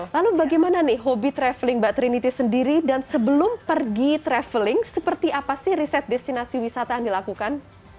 lalu bagaimana nih hobi traveling mbak trinity sendiri dan sebelum pergi traveling seperti apa sih riset destinasi wisata yang dilakukan